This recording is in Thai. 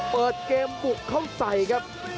เปิดเกมบุกเข้าใส่ครับ